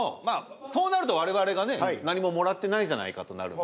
そうなると我々がね何ももらってないじゃないかとなるので。